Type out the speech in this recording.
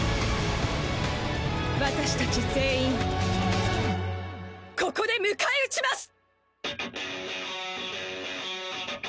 私達全員ここで迎え撃ちます！